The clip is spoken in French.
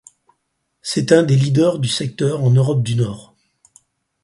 C'est un des leaders du secteur en Europe du Nord.